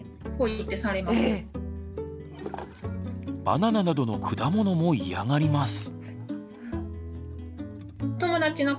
バナナなどの果物も嫌がります。